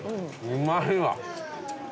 うまいわ。